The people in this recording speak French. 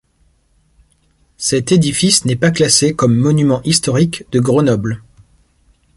Cet édifice n'est pas classé comme monument historique de Grenoble.